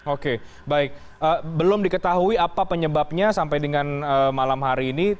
oke baik belum diketahui apa penyebabnya sampai dengan malam hari ini